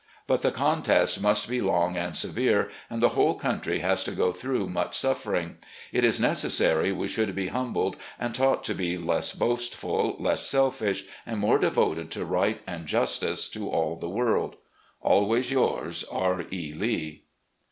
But the contest must be long and severe, and the whole country has to go through much suffering. It is necessary we should be humbled and taught to be less boastful, less selfish, and more devoted to right and justice to all the world. ... Always yours, "R. E. Lee."